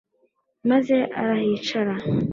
maze arahicara